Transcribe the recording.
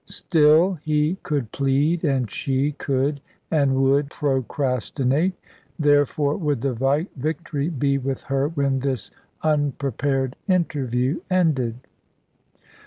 Still, he could plead, and she could, and would, procrastinate; therefore would the victory be with her when this unprepared interview ended.